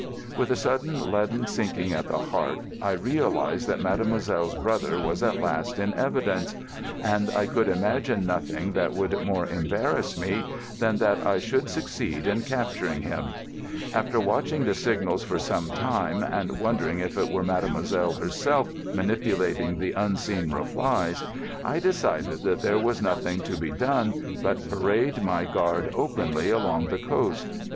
With a sudden leaden sinking at the heart I realised that mademoiselle's brother was at last in evidence, and I could imagine nothing that would more embarrass me than that I should succeed in capturing him. After watching the signals for some time, and wondering if it were mademoiselle herself manipulating the unseen replies, I decided that there was nothing to be done but parade my guard openly along the coast.